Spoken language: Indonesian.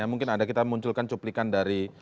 mungkin ada kita munculkan cuplikan dari